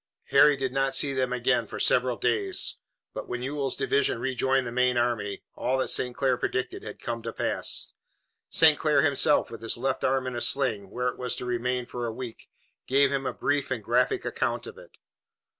Harry did not see them again for several days, but when Ewell's division rejoined the main army, all that St. Clair predicted had come to pass. St. Clair himself, with his left arm in a sling, where it was to remain for a week, gave him a brief and graphic account of it.